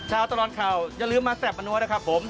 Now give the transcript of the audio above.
ตลอดข่าวอย่าลืมมาแซ่บมานัวนะครับผม